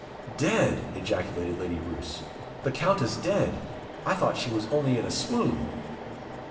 "Dead!" ejaculated Lady Roos; "the Countess dead! I thought she was only in a swoon."